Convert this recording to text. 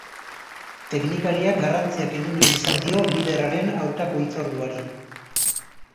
Teknikariak garrantzia kendu nahi izan dio liderraren aurkako hitzorduari.